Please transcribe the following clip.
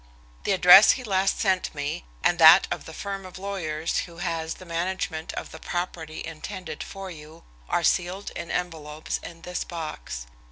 "The address he last sent me, and that of the firm of lawyers who has the management of the property intended for you, are sealed in envelopes in this box.